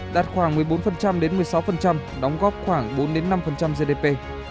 đạt khoảng một mươi bốn một mươi sáu đóng góp khoảng bốn năm gdp